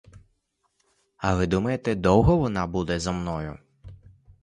А ви думаєте, довго вона буде зо мною?